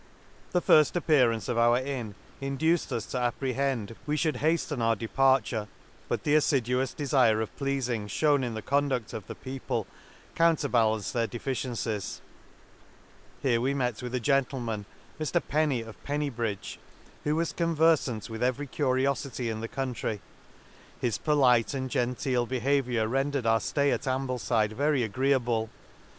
— The firft appearance of our inn induced us to apprehend we fhould haften our depar ture ; but the afliduous defire of pleafing fhewn in the conduct of the people coun terbalanced their deficiencies. — Here we met with a gentleman, Mr Penney, of Penney bridge, who was converfant with every curiofity in this country ; his polite and genteel behaviour rendered our flay at Amblefide very agreeable.